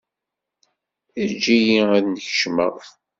Ejj-iyi ad n-kecmeɣ.